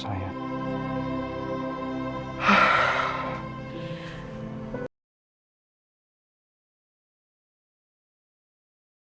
saya harus berpikir pikir